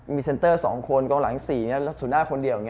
มีเซ็นเตอร์๒คนกลางหลัง๔แล้วสู่หน้าคนเดียว